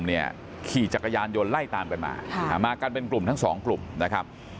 ขี่จักรยานยนต์ไล่ตามกันมามากันเป็นกลุ่มทั้งสองกลุ่มนะครับ